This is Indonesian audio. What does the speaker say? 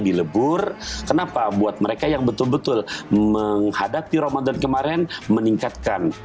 dilebur kenapa buat mereka yang betul betul menghadapi ramadan kemarin meningkatkan